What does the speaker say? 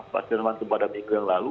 pak stiano fanto pada minggu yang lalu